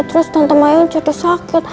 terus tante mayan jadi sakit